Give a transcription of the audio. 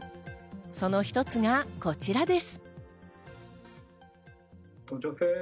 その一つがこちらです。